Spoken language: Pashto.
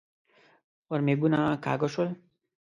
ورمېږونه کاږه شول.